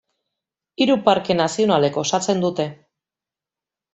Hiru parke nazionalek osatzen dute.